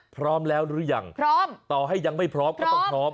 พร้อมแล้วหรือยังพร้อมต่อให้ยังไม่พร้อมก็ต้องพร้อม